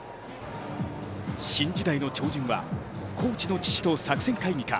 新時代の鳥人はコーチの父と作戦会議か。